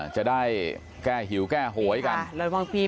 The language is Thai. ใช่ไหมกันร่างเป็นใคร